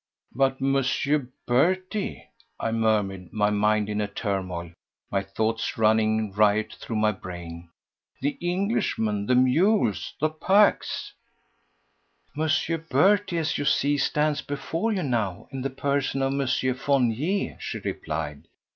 "But, Monsieur Berty?" I murmured, my mind in a turmoil, my thoughts running riot through my brain. "The Englishmen, the mules, the packs?" "Monsieur Berty, as you see, stands before you now in the person of Monsieur Fournier," she replied.